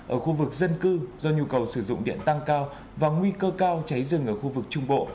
ở khu vực dân cư do nhu cầu sử dụng điện tăng cao và nguy cơ cao cháy rừng ở khu vực trung bộ